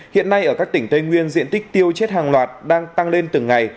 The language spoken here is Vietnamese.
hiện nay ở các tỉnh tây nguyên diện tích tiêu chết hàng loạt đang tăng lên từng ngày